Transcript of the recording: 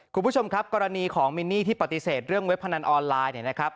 คุณผู้ชมครับกรณีของมินนี่ที่ปฏิเสธเรื่องเว็บพนันออนไลน์เนี่ยนะครับ